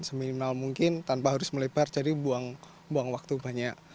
seminimal mungkin tanpa harus melebar jadi buang waktu banyak